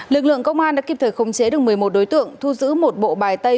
lực lượng công an đã kịp thời khống chế được một mươi một đối tượng thu giữ một bộ bài tay